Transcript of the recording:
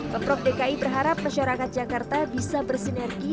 pemprov dki berharap masyarakat jakarta bisa bersinergi